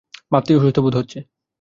ভাবতেই অসুস্থ বোধ হচ্ছে।